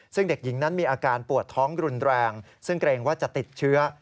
ซึ่งเด็กหญิงนั้นมีอาการปวดท้องรุนแรงซึ่งเกรงว่าจะติดเชื้อ